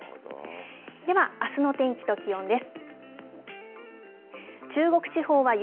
では、あすのお天気と気温です。